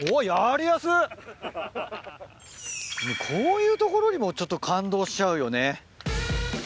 こういうところにもちょっと感動しちゃうよね。